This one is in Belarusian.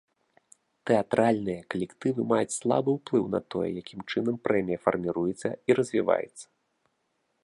Тэатральныя калектывы маюць слабы ўплыў на тое, якім чынам прэмія фарміруецца і развіваецца.